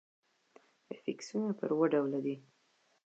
افیکسونه پر وده ډوله دي.